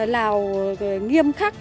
lào nghiêm khắc